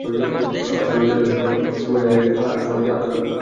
আশার আলো জ্বালিয়েও শেষ পর্যন্ত সেমিফাইনালে হেরে গেছেন আরেক সোনাজয়ী আবদুর রহিম।